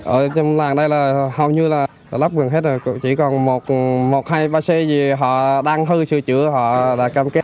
ở trong làng đây là hầu như là lắp gần hết rồi chỉ còn một hai ba c gì họ đang hư sửa chữa họ đã cam kết